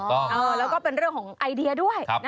ถูกต้องแล้วก็เป็นเรื่องของไอเดียด้วย